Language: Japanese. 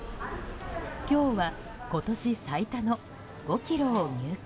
今日は今年最多の５ｋｇを入荷。